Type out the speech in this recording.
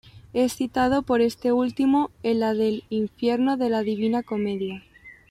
Es citado por este último en el del "Infierno" de La Divina Comedia.